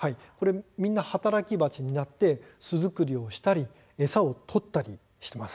みんな働き蜂になって巣作りをしたり餌を取ったりします。